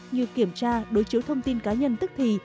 như kiểm tra đối chiếu thông tin cá nhân tức thì